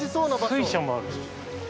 水車もある。